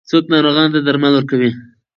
څوک ناروغانو ته درمل ورکوي؟